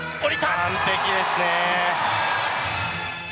完璧ですね。